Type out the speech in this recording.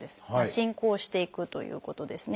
進行していくということですね。